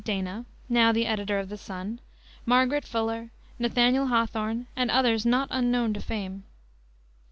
Dana now the editor of the Sun Margaret Fuller, Nathaniel Hawthorne and others not unknown to fame.